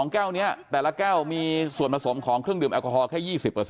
แก้วนี้แต่ละแก้วมีส่วนผสมของเครื่องดื่มแอลกอฮอลแค่๒๐